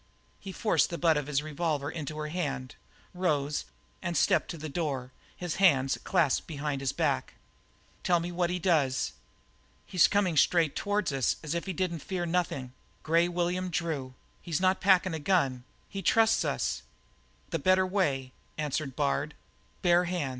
He forced the butt of his revolver into her hands, rose, and stepped to the door, his hands clasped behind his back. "Tell me what he does." "He's comin' straight toward us as if he didn't fear nothin' grey William Drew! He's not packin' a gun; he trusts us." "The better way," answered Bard.